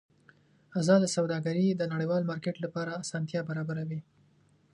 ازاده سوداګري د نړیوال مارکېټ لپاره اسانتیا برابروي.